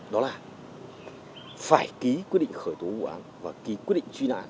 đó là phải ký quyết định khởi tố vụ án và ký quyết định truy nã